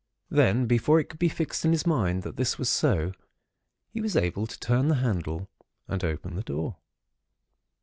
Then, before it could be fixed in his mind that this was so, he was able to turn the handle, and open the door.